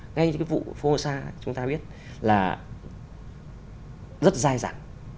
ngay như cái vụ phô sa chúng ta biết là rất dai dặn